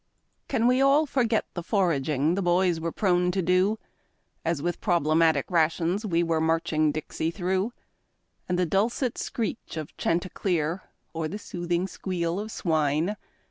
Can we all forget the foraging the boys were prone to do, As with problematic rations we were marching Dixie through ; And the dulcet screech of chanticleer or soothing squeal of swine.